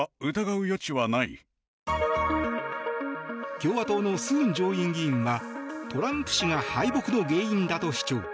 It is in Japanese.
共和党のスーン上院議員はトランプ氏が敗北の原因だと主張。